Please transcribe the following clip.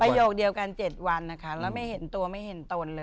โยคเดียวกัน๗วันนะคะแล้วไม่เห็นตัวไม่เห็นตนเลย